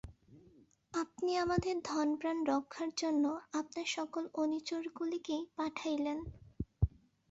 আপনি আমাদের ধনপ্রাণ রক্ষার জন্য আপনার সকল অনুচরগুলিকেই পাঠাইলেন।